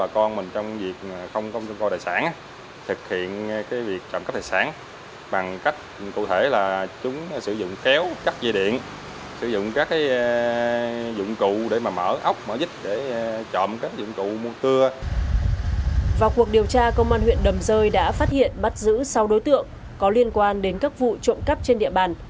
công an huyện đầm dây đã phát hiện bắt giữ sáu đối tượng có liên quan đến các vụ trộm cắp trên địa bàn